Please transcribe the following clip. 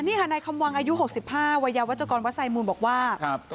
นี่คะในคำวางอายุหกสิบป้าวัยวเวชกรวัดไซมูลบอกว่า